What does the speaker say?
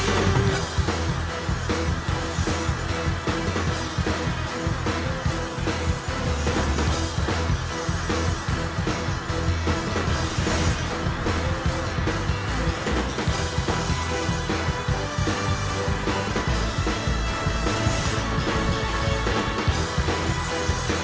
akan kutunjukkan kekuatanku yang sebenarnya